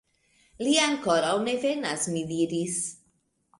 Li ankoraŭ ne venas, mi diris.